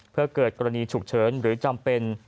เพื่อเกิดกรณีฉุกเฉินหรือจำเป็น